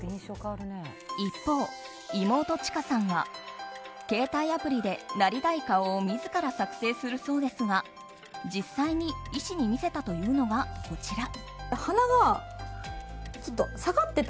一方、妹ちかさんは携帯アプリでなりたい顔を自ら作成するそうですが実際に医師に見せたというのがこちら。